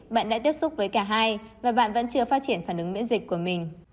bạn đã tiếp xúc với cả hai và bạn vẫn chưa phát triển phản ứng miễn dịch của mình